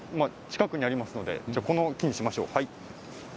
近くにありますのでこの木にしましょう。